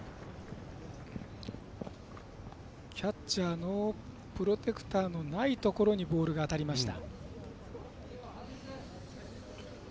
キャッチャーのプロテクターのないところにボールが当たりました。